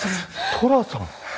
寅さん！？